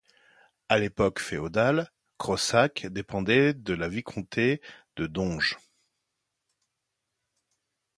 À l'époque féodale, Crossac dépendait de la vicomté de Donges.